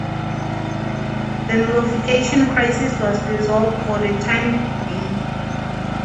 The Nullification Crisis was resolved for the time being.